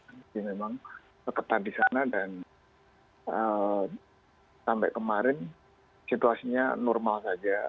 jadi memang ketat di sana dan sampai kemarin situasinya normal saja